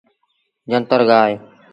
جنتر گآه اهي۔